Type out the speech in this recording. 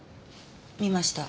見ました。